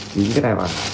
sử dụng cái này mà